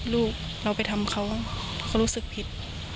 ลูกเราไปทำเขาเขารู้สึกผิด